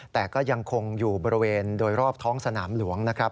แต่ก็ยังคงอยู่บริเวณโดยรอบท้องสนามหลวงนะครับ